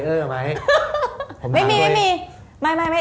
ไม่ใช่ไม่ใช่ไม่ใช่ไม่ใช่ไม่ใช่